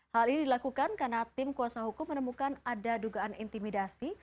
hal ini dilakukan karena tim kuasa hukum menemukan ada dugaan intimidasi